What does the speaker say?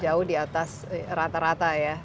jauh di atas rata rata ya